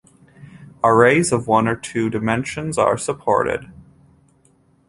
Arrays of one or two dimensions are supported.